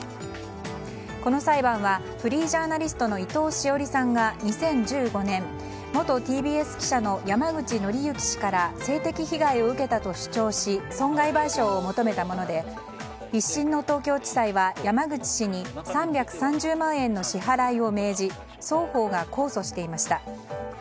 この裁判はフリージャーナリストの伊藤詩織さんが２０１５年、元ＴＢＳ記者の山口敬之氏から性的被害を受けたと主張し損害賠償を求めたもので１審の東京地裁は山口氏に３３０万円の支払いを命じ双方が控訴していました。